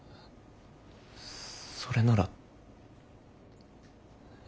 それなら。